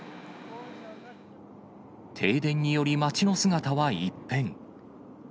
停電により、街の姿は一変。